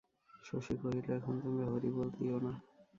শশী কহিল, এখন তোমরা হরিবোল দিও না।